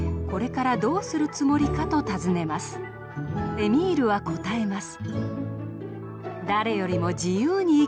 エミールは答えます。